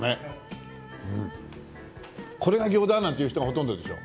「これが餃子？」なんて言う人がほとんどでしょ？